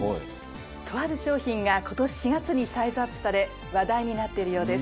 とある商品が今年４月にサイズアップされ話題になっているようです。